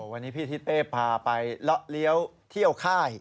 วันนี้พี่ทิศเป้พาไปเลาะเลี้ยวเที่ยวค่าย